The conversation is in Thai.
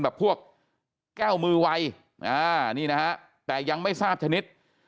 แบบพวกแก้วมือวัยนี่นะฮะแต่ยังไม่ทราบชนิด